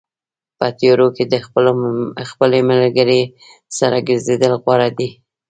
په تیارو کې د خپل ملګري سره ګرځېدل غوره دي.